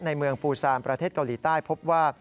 ในเมืองปูซานประเทศเกาหลีใต้พบว่า